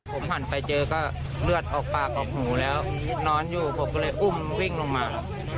ผมหันไปเจอก็เลือดออกปากออกหูแล้วนอนอยู่ผมก็เลยอุ้มวิ่งลงมา